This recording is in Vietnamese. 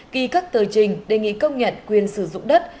ghi các tờ trình đề nghị công nhận quyền sử dụng đất